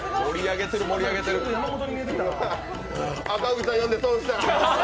赤荻さん呼んで、損した。